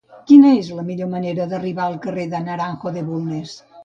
Quina és la millor manera d'arribar al carrer del Naranjo de Bulnes?